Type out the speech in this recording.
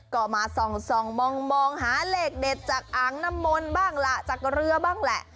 ก็มาส่องมองหาเลขเด็ดจากอ่างน้ำมนต์บ้างล่ะจากเรือบ้างแหละ